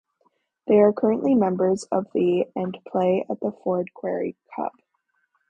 They are currently members of the and play at the Ford Quarry Hub.